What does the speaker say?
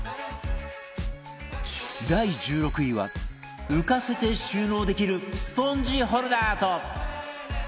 第１６位は浮かせて収納できるスポンジホルダーと